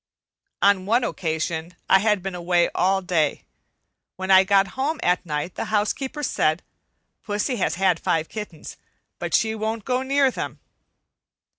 On one occasion I had been away all day. When I got home at night the housekeeper said, "Pussy has had five kittens, but she won't go near them."